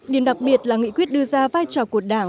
điểm đặc biệt là nghị quyết đưa ra vai trò của đảng